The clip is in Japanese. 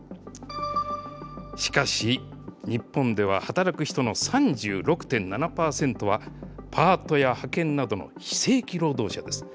しかし、日本では働く人の３６．７％はパートや派遣などの非正規労働者です。